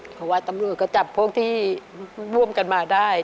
เพราะว่าตำรวจก็จับพวกที่ร่วมกันมาได้